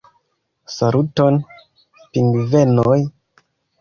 Saluton, pingvenoj!!